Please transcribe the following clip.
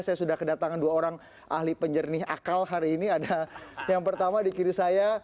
saya sudah kedatangan dua orang ahli penjernih akal hari ini ada yang pertama di kiri saya